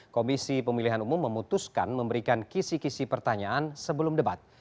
komisi pemilihan umum memutuskan memberikan kisi kisi pertanyaan sebelum debat